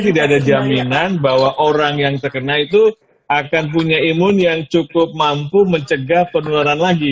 tidak ada jaminan bahwa orang yang terkena itu akan punya imun yang cukup mampu mencegah penularan lagi